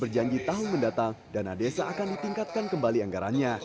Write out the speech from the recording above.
berjanji tahun mendatang dana desa akan ditingkatkan kembali anggarannya